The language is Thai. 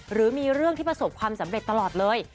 หรือมีเรื่องที่ประสบความสำเร็จตลอดเลย